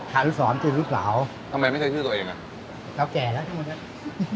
ขาลูกสาวมันเป็นลูกสาวทำไมไม่ใช่ชื่อตัวเองอ่ะเขาแก่แล้วทั้งหมด